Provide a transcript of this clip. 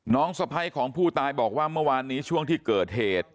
สะพ้ายของผู้ตายบอกว่าเมื่อวานนี้ช่วงที่เกิดเหตุ